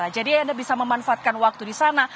jadi anda bisa memanfaatkan waktu di sana